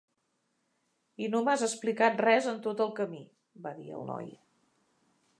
"I no m'has explicat res en tot el camí", va dir el noi.